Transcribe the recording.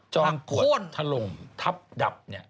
จอมขวดถล่มทับดับเนี่ย